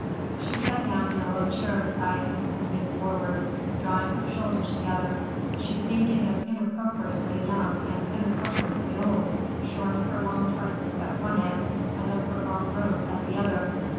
She sat down in a low chair beside him and leaned forward, drawing her shoulders together. She seemed to him inappropriately young and inappropriately old, shorn of her long tresses at one end and of her long robes at the other.